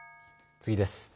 次です。